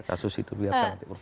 kasus itu biar nanti